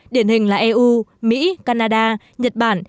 điển hình là eu mỹ canada nhật bản